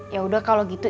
yaudah kalau gitu